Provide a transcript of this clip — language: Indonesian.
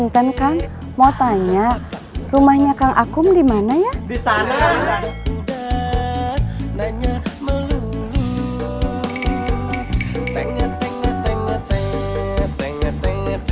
tengah tengah tengah tengah tengah tengah tengah tengah tengah